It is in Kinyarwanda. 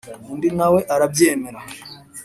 undi nawe arabyemera.